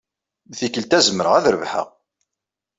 Tikkelt-a, zemreɣ ad rebḥeɣ.